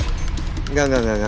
enggak enggak enggak